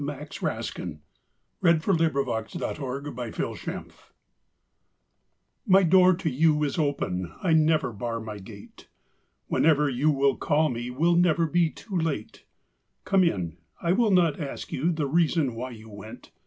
SONGS AND DREAMS My Home to You Is Open My door to you is open, I never bar my gate; Whenever you will call me Will never be too late. Come in, I will not ask you The reason why you went.